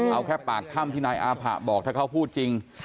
เอาแค่ปากถ้ำที่นายอาผะบอกถ้าเขาพูดจริง